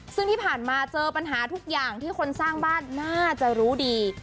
ซึ่งที่ผ่านมาเจอปัญหาทุกอย่างที่คนสร้างบ้านน่าจะรู้ดี